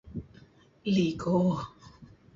Iko.